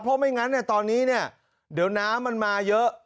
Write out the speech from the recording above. เพราะไม่งั้นตอนนี้เนี่ยเดี๋ยวน้ำมันมาเยอะ